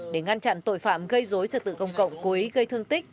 để ngăn chặn tội phạm gây dối trật tự công cộng cố ý gây thương tích